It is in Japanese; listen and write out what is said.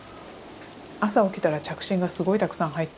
朝起きたら着信がすごいたくさん入っていて。